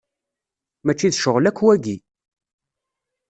Mačči d ccɣel akk, wagi.